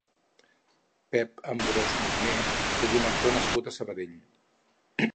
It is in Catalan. Pep Ambròs Munné és un actor nascut a Sabadell.